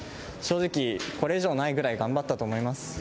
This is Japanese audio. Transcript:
正直、これ以上ないぐらい頑張ったと思います。